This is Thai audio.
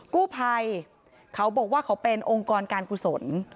กู้ภัยเขาบอกว่าเขาเป็นองค์กรการกุศล